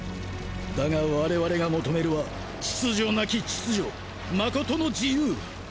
だが我々が求めるは秩序無き秩序真の自由。